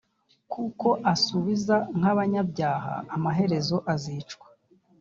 kuko asubiza nk’abanyabyaha amaherezo azicwa